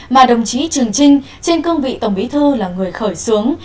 mà đồng chí trường trinh trên cương vị tổng bí thư là người khởi xướng